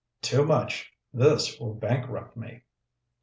"Too much. This will bankrupt me."